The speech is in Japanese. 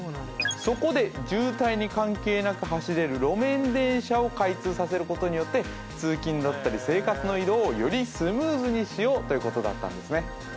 そこで渋滞に関係なく走れる路面電車を開通させることによって通勤だったり生活の移動をよりスムーズにしようということだったんですね